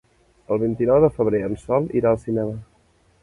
El vint-i-nou de febrer en Sol irà al cinema.